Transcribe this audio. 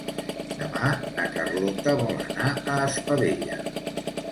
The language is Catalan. Demà na Carlota vol anar a Espadella.